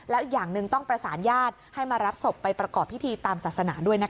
แล้วอีกอย่างหนึ่งต้องประสานญาติให้มารับศพไปประกอบพิธีตามศาสนาด้วยนะคะ